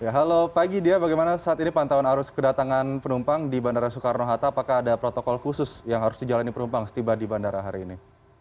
halo pagi dia bagaimana saat ini pantauan arus kedatangan penumpang di bandara soekarno hatta apakah ada protokol khusus yang harus dijalani penumpang setiba di bandara hari ini